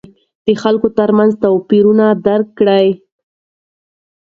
د خلکو ترمنځ توپیرونه درک کړئ.